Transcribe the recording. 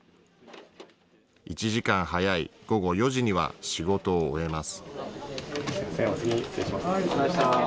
１時間早い午後４時には仕事を終えます。